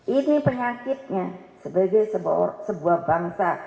ini penyakitnya sebagai sebuah bangsa